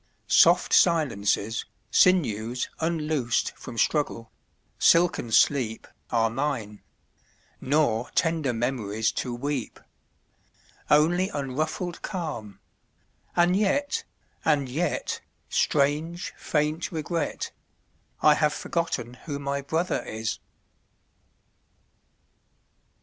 Soft silences, Sinews unloosed from struggle, silken sleep, 27 Are mine; nor tender memories to weep. Only unruffled calm; and yet — and yet — Strange, faint regret — I have forgotten who my brother is!